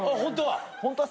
ホントは？